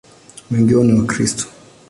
Wengi wao ni Wakristo.